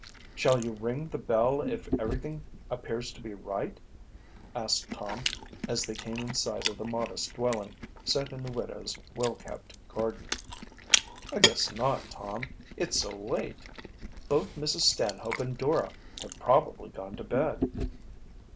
"Shall you ring the bell if everything appears to be right?" asked Tom, as they came in sight of the modest dwelling, set in the widow's well kept garden. "I guess not, Tom. It's so late. Both Mrs. Stanhope and Dora have probably gone to bed."